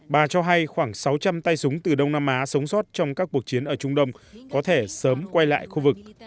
bà cho hay khoảng sáu trăm linh tay súng từ đông nam á sống sót trong các cuộc chiến ở trung đông có thể sớm quay lại khu vực